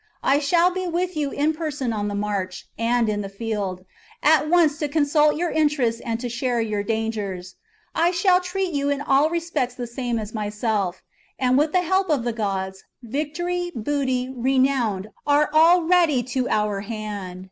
I shall be with you in person on the march, and in the field, at once to consult your interests and to share your dangers; I shall treat you in all respects the same as myself; and with the help of the gods, victory, booty, renown, are all ready to our hand.